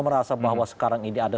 merasa bahwa sekarang ini ada